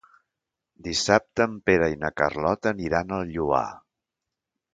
Dissabte en Pere i na Carlota aniran al Lloar.